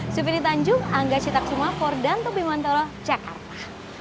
suprih tanjung angga sita kusuma fordanto bimantoro jakarta